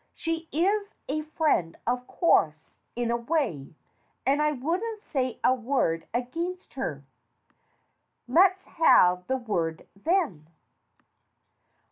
She is a friend, of course, in a way, and I wouldn't say a word against her." "Let's have the word, then."